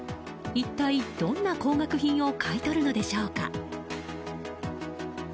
一体どんな高額品を買い取るのでしょうか？